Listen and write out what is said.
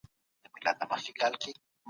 دا اول دئ.